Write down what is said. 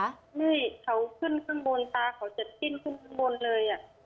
นี่เขาขึ้นข้างบนตาเขาจะจิ้นขึ้นข้างบนเลย